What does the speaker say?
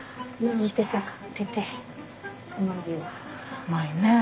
うまいねえ。